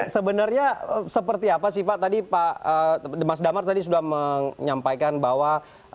sebenarnya seperti apa sih pak tadi pak mas damar tadi sudah menyampaikan bahwa